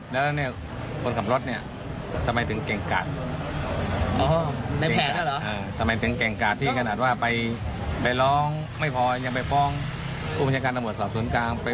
ด้วยนะเป็นผู้ต้องหาสนับสนุนจริงจริงแล้วเนี้ยผมว่าเขาน่า